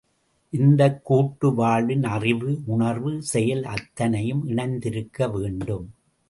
இந்தக் கூட்டு வாழ்வின் அறிவு, உணர்வு, செயல் அத்தனையும் இணைந்திருக்க வேண்டும்.